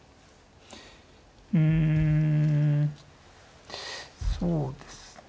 うんそうですね